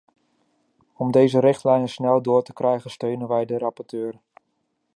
Om deze richtlijn er snel door te krijgen, steunen wij de rapporteur.